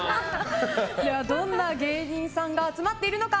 どんな芸人さんが集まっているのか。